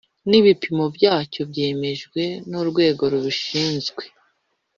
n ibipimo byacyo byemejwe n urwego rubishinzwe